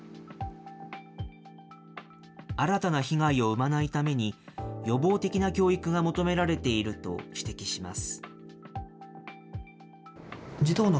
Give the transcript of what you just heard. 新たな被害を生まないために、予防的な教育が求められていると指摘します。